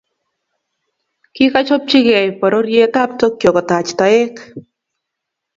Kikakochopchikei pororiet ab Tokyo kutach toek